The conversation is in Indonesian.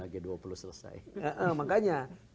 g dua puluh selesai makanya